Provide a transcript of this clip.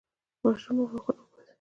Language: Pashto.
ماشوم مو غاښونه وباسي؟